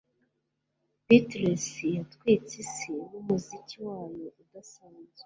beatles yatwitse isi numuziki wabo udasanzwe